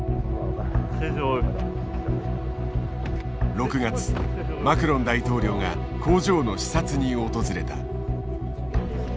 ６月マクロン大統領が工場の視察に訪れた。